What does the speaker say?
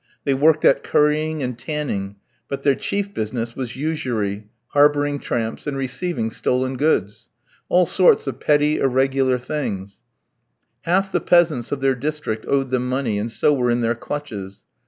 They worked at currying and tanning; but their chief business was usury, harbouring tramps, and receiving stolen goods; all sorts of petty irregular doings. Half the peasants of their district owed them money, and so were in their clutches.